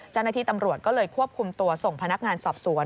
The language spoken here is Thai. เจ้าหน้าที่ตำรวจก็เลยควบคุมตัวส่งพนักงานสอบสวน